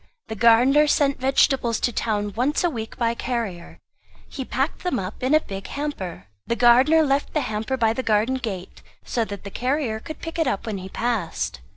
The gardener sent vegetables to town once a week by carrier; he packed them in a big hamper. The gardener left the hamper by the garden gate, so that the carrier could pick it up when he passed.